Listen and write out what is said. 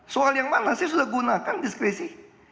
soal yang mana saya sudah gunakan diskresi